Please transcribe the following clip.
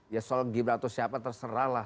ya soal gibran atau siapa terserahlah